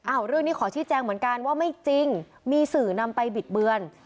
เรื่องนี้ขอชี้แจงเหมือนกันว่าไม่จริงมีสื่อนำไปบิดเบือน